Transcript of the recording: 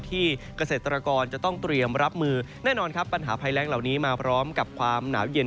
เกษตรกรจะต้องเตรียมรับมือแน่นอนครับปัญหาภัยแรงเหล่านี้มาพร้อมกับความหนาวเย็น